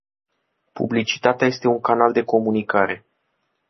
Publicitatea este un canal de comunicare.